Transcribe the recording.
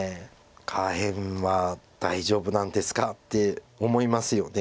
下辺は大丈夫なんですかって思いますよね。